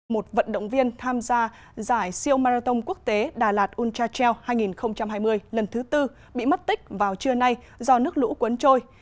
một vận động viên tham gia giải siêu marathon quốc tế đà lạt ult trail hai nghìn hai mươi lần thứ tư bị mất tích vào trưa nay do nước lũ cuốn trôi